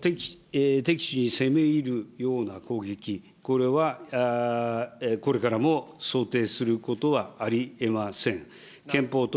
敵地に攻め入るような攻撃、これは、これからも想定することはありえません。